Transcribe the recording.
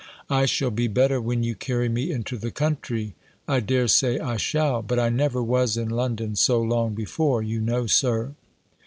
I shall be better when you carry me into the country. I dare say I shall. But I never was in London so long before, you know, Sir."